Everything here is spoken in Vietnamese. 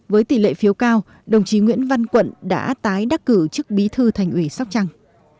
với tỷ lệ phiếu cao đồng chí nguyễn văn quận đã tái đắc cử chức bí thư thành ủy sóc trăng